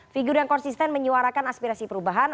figur yang konsisten menyuarakan aspirasi perubahan